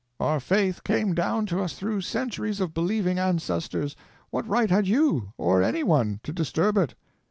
Our faith came down to us through centuries of believing ancestors; what right had you, or any one, to disturb it?